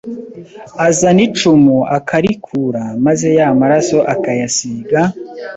Azana icumu akarikura maze ya maraso akayasiga